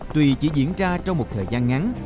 tùy chỉ diễn ra trong một thời gian ngắn